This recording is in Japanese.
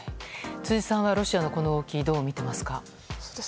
辻さんはロシアのこの動きどうみていますか？